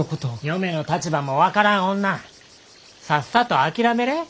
嫁の立場も分からん女さっさと諦めれ。